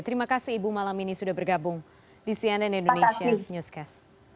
terima kasih ibu malam ini sudah bergabung di cnn indonesia newscast